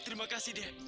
terima kasih deh